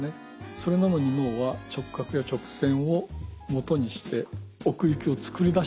それなのに脳は直角や直線をもとにして奥行きを作り出してしまうんです。